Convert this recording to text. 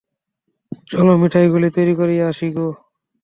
চলো মিঠাইগুলি তৈরি করিয়া আসি গে।